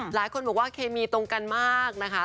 หลายคนบอกว่าเคมีตรงกันมากนะคะ